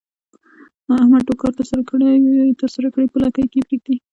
احمد ټول کار ترسره کړي په لکۍ کې یې پرېږدي.